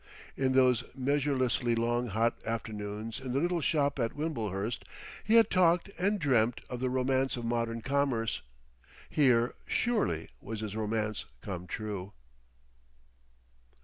In those measurelessly long hot afternoons in the little shop at Wimblehurst he had talked and dreamt of the Romance of Modern Commerce. Here, surely, was his romance come true.